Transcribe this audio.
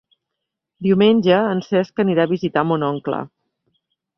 Diumenge en Cesc anirà a visitar mon oncle.